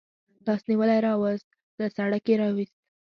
لاس نیولی راوست، له سړک یې و ایست.